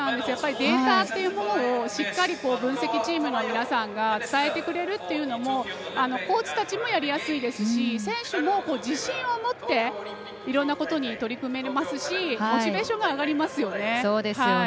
データというものをしっかり分析チームの皆さんが伝えてくれるっていうのもコーチたちもやりやすいですし選手も自信を持っていろんなことに取り組めますしモチベーションが上がりますよね。